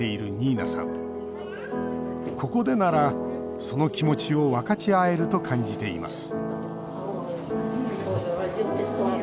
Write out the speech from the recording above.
ここでならその気持ちを分かち合えると感じています